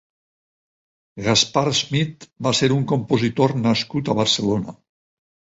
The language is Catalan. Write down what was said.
Gaspar Smit va ser un compositor nascut a Barcelona.